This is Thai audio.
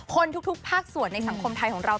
ทุกภาคส่วนในสังคมไทยของเรา